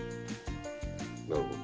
なるほど。